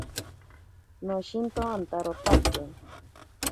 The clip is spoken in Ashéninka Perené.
Noshinto antarotake.